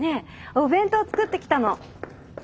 お弁当作ってきたの。